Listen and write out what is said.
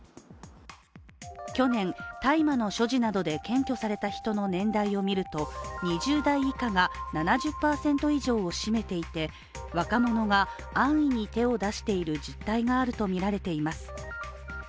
去年、大麻の所持などで検挙された人の年代を見ると２０代以下が７０％以上を占めていて若者が安易に手を出している実態があるとみられています。